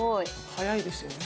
速いですよね。